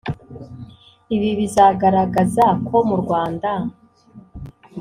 ibi bizagaragaza ko mu Rwanda